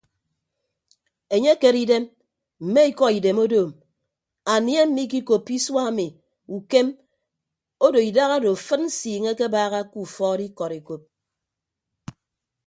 Enye ekere idem mme ikọ idem odoom anie mmikikoppo isua ami ukem odo idahado afịd nsiiñe akebaaha ke ufọọd ikọd ekop.